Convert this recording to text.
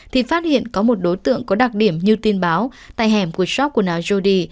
thì phát hiện có một đối tượng có đặc điểm như tin báo tại hẻm của shop của nào jody